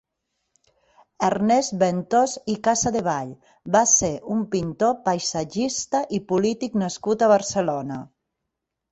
Ernest Ventós i Casadevall va ser un pintor paisatgista i polític nascut a Barcelona.